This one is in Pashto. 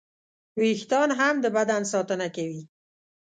وېښتيان هم د بدن ساتنه کوي.